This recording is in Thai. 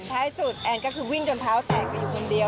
ท้ายสุดแอนก็คือวิ่งจนเท้าแตกไปอยู่คนเดียว